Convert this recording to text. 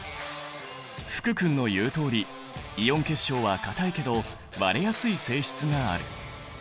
福くんの言うとおりイオン結晶は硬いけど割れやすい性質がある。